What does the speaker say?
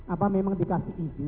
apa memang dikasih izin